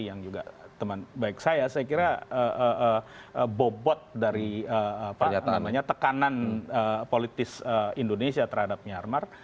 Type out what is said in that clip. yang juga teman baik saya saya kira bobot dari tekanan politis indonesia terhadap myanmar